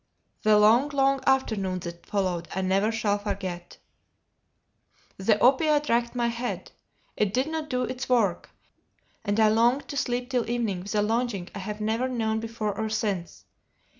The long, long afternoon that followed I never shall forget. The opiate racked my head; it did not do its work; and I longed to sleep till evening with a longing I have never known before or since.